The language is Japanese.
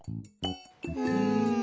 うん。